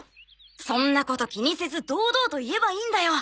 そんなこと気にせず堂々と言えばいいんだよ。